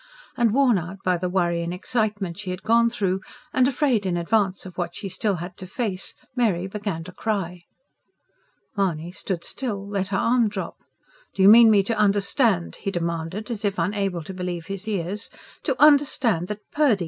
And, worn out by the worry and excitement she had gone through, and afraid, in advance, of what she had still to face, Mary began to cry. Mahony stood still; let her arm drop. "Do you mean me to understand," he demanded, as if unable to believe his ears: "to understand that Purdy...